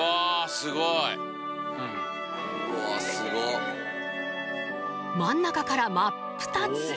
すごいうわすごっ真ん中から真っ二つ！